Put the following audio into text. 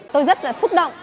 tôi rất là xúc động